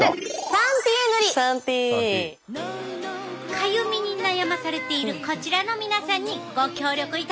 かゆみに悩まされているこちらの皆さんにご協力いただいたで。